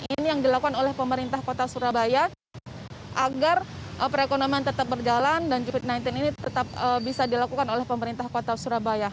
ini yang dilakukan oleh pemerintah kota surabaya agar perekonomian tetap berjalan dan covid sembilan belas ini tetap bisa dilakukan oleh pemerintah kota surabaya